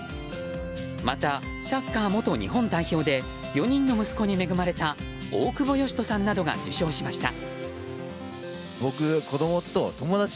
また、サッカー元日本代表で４人の息子に恵まれた大久保嘉人さんなどが受賞しました。